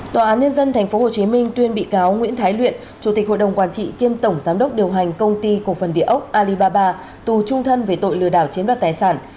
tòa án nhân dân tp hcm tuyên bị cáo nguyễn thái luyện chủ tịch hội đồng quản trị kiêm tổng giám đốc điều hành công ty cổ phần địa ốc alibaba tù trung thân về tội lừa đảo chiếm đoạt tài sản